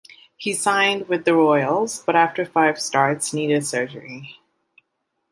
He signed with the Royals, but after five starts needed surgery.